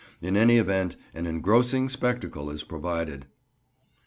In any event, an engrossing spectacle is provided.